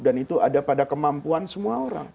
dan itu ada pada kemampuan semua orang itu